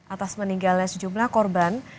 atas meninggalnya sejumlah korban